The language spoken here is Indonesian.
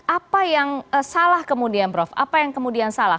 apa yang salah kemudian prof apa yang kemudian salah